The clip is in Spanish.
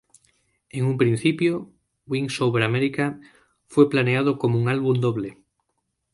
En un principio, "Wings Over America" fue planeado como un álbum doble.